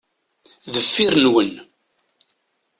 Deffir nwen.